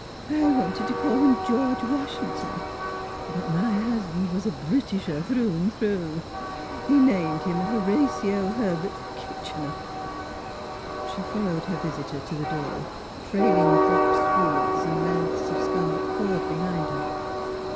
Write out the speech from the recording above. " I wanted to call him George Washington; but my husband was a Britisher, through and through. He named him Horatio Herbert Kitchener." She followed her visitor to the door, trailing dropped spools and lengths of scarlet cord behind her.